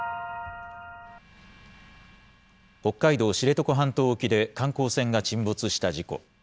北海道知床半島沖で観光船が沈没した事故。